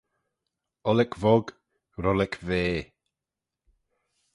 Ollick vog, rhullic vea